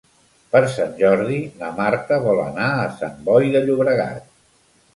Per Sant Jordi na Marta vol anar a Sant Boi de Llobregat.